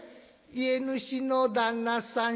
「家主の旦那さん